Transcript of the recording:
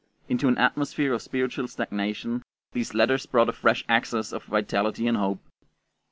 Into an atmosphere of spiritual stagnation, these letters brought a fresh access of vitality and hope.